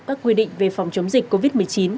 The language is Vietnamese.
các quy định về phòng chống dịch covid một mươi chín